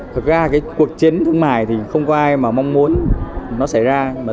thực ra cuộc chiến thương mại thì không có ai mong muốn nó xảy ra